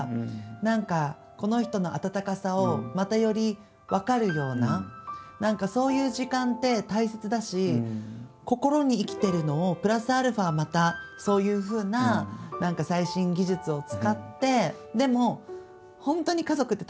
何かこの人の温かさをまたより分かるような何かそういう時間って大切だし心に生きてるのをプラスアルファまたそういうふうな何か最新技術を使って。